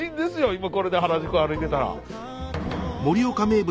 今これで原宿歩いてたら。